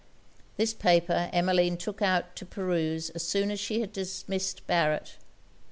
This paper Emmeline took out to peruse as soon as she had dismissed Barret.